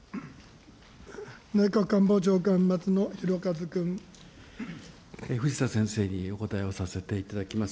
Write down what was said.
内閣官房長官、藤田先生にお答えをさせていただきます。